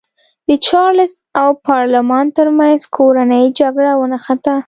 د چارلېز او پارلمان ترمنځ کورنۍ جګړه ونښته.